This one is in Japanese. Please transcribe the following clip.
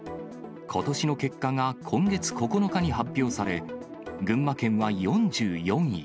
ことしの結果が今月９日に発表され、群馬県は４４位。